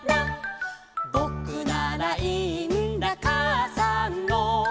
「ぼくならいいんだかあさんの」